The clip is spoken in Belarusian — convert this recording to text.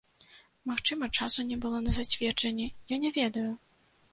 Магчыма, часу не было на зацверджанне, я не ведаю!